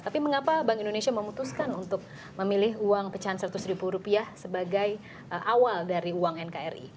tapi mengapa bank indonesia memutuskan untuk memilih uang pecahan seratus ribu rupiah sebagai awal dari uang nkri